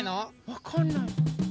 わかんない。